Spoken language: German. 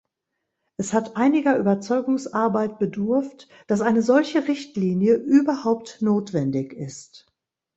Es hat einiger Überzeugungsarbeit bedurft, dass eine solche Richtlinie überhaupt notwendig ist.